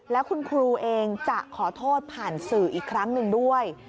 แล้วคุณครูเองจะขอโทษผ่านสื่ออีกครั้งหนึ่งด้วย